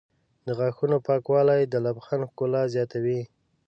د غاښونو پاکوالی د لبخند ښکلا زیاتوي.